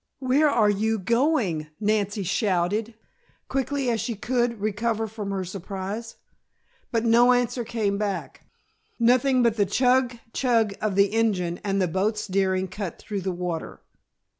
"Where are you going?" Nancy shouted, quickly as she could recover from her surprise. But no answer came back; nothing but the chug chug of the engine, and the boat's daring cut through the water.